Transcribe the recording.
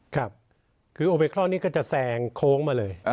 ครับคือโอเบครอนนี้ก็จะแซงโค้งมาเลย